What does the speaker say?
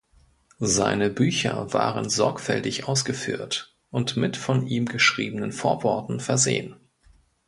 Seine Bücher waren sorgfältig ausgeführt und mit von ihm geschriebenen Vorworten versehen.